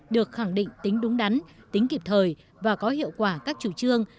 được khẳng định tính đúng đắn tính kịp thời và có hiệu quả các chủ trương